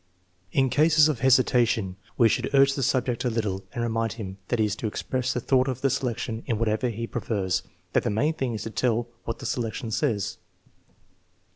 In cases of hesitation we should urge the subject a little and remind him that he is to express the thought of the selection in whatever way he prefers; that the main thing is to tell what the selection says.